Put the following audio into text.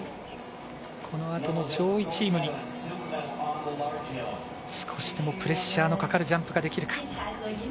このあとの上位チームに少しでもプレッシャーのかかるジャンプができるか。